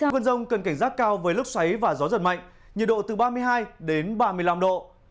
quân dông cần cảnh giác cao với lúc xoáy và gió giật mạnh nhiệt độ từ ba mươi hai đến ba mươi năm độ